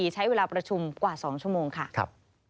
ใช้เวลาประชุมกว่า๒ชั่วโมงค่ะ